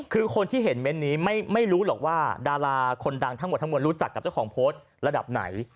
คือคนที่เห็นเมนต์นี้ไม่รู้หรอกว่าดาราคนดังทั้งหมดทั้งมวลรู้จักกับเจ้าของโพสต์ระดับไหน